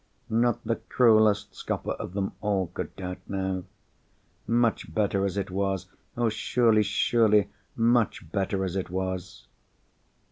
Not the cruellest scoffer of them all could doubt now. Much better as it was! Oh, surely, surely, much better as it was!